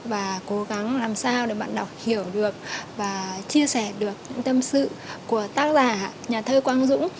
và cố gắng làm sao để bạn đọc hiểu được và chia sẻ được những tâm sự của tác giả nhà thơ quang dũng